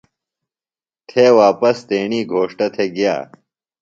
تھےۡ واپس تیݨی گھوݜٹہ تھےۡ گِیہ ۔